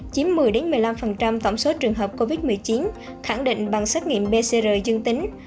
chiếm một mươi một mươi năm tổng số trường hợp covid một mươi chín khẳng định bằng xét nghiệm pcr dương tính